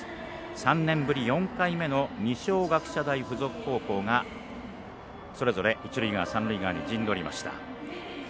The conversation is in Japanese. ３年ぶり４回目の二松学舎大付属高校がそれぞれ、一塁側、三塁側に陣取りました。